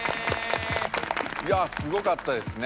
いやすごかったですね。